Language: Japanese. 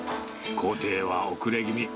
工程は遅れ気味。